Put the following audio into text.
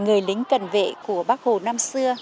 người lính cần vệ của bác hồ năm xưa